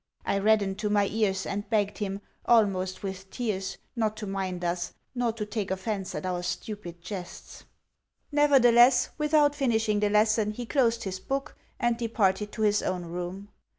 I reddened to my ears, and begged him, almost with tears, not to mind us, nor to take offence at our stupid jests. Nevertheless, without finishing the lesson, he closed his book, and departed to his own room.